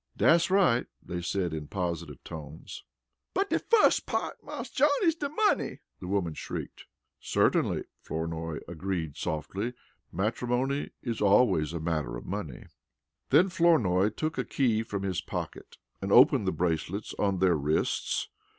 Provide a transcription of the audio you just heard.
"Dat's right!" they said in positive tones. "But de fuss part, Marse John, is de money!" the woman shrieked. "Certainly," Flournoy agreed softly. "Matrimony is always a matter of money." Then Flournoy took a key from his pocket and opened the bracelets on their wrists.